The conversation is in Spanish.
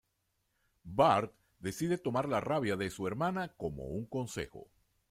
Bart decide tomar la rabia de su hermana como un consejo.